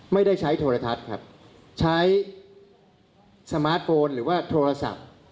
ไม่ได้ใช้โทรทัศน์ครับใช้สมาร์ทโฟนหรือว่าโทรศัพท์